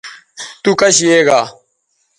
تو کش یے گا